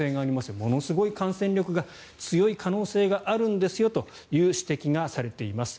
ものすごい感染力が強い可能性があるんですよという指摘がされています。